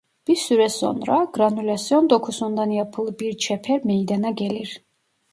Bir süre sonra granülasyon dokusundan yapılı bir çeper meydana gelir.